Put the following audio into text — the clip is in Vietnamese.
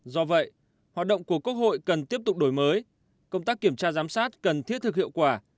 do vậy hoạt động của quốc hội cần tiếp tục đổi mới công tác kiểm tra giám sát cần thiết thực hiệu quả